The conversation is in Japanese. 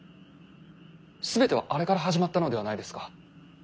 全てはあれから始まったのではないですか。